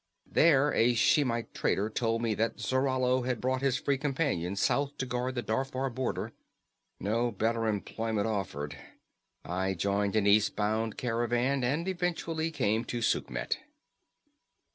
There a Shemite trader told me that Zarallo had brought his Free Companies south to guard the Darfar border. No better employment offered. I joined an east bound caravan and eventually came to Sukhmet."